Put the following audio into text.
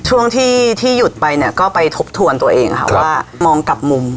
ช่วงที่ที่หยุดไปเนี่ยก็ไปทบทวนตัวเองค่ะว่ามองกลับมุม